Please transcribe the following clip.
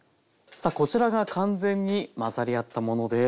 さあこちらが完全に混ざり合ったものです。